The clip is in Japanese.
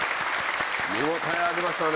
見応えありましたね